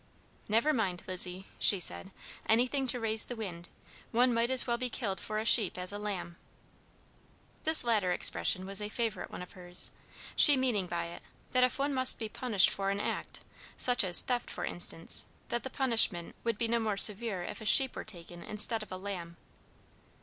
"Never mind, Lizzie," she said; "anything to raise the wind. One might as well be killed for a sheep as a lamb." This latter expression was a favorite one of hers; she meaning by it, that if one must be punished for an act, such as theft for instance, that the punishment would be no more severe if a sheep were taken instead of a lamb.